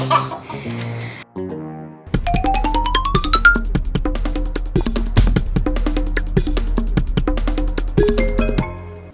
mana dia sih gunggul